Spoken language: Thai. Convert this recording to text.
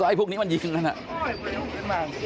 โอ้โหยังไม่หยุดนะครับ